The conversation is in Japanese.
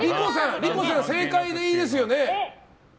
理子さん、正解でいいですよね。